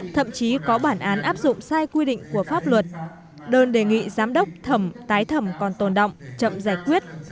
thậm chí có bản án áp dụng sai quy định của pháp luật đơn đề nghị giám đốc thẩm tái thẩm còn tồn động chậm giải quyết